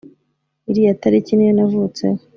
iriya tariki niyo navutseho